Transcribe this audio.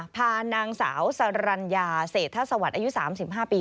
พานางสาวสรรญาเศรษฐสวรรค์อายุ๓๕ปี